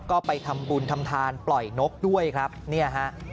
ก็ไปทำบุญทำทานปล่อยนกด้วยครับเนี่ยฮะ